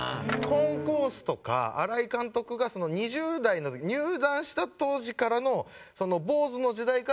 コンコースとか新井監督が２０代の入団した当時からの坊主の時代からの写真。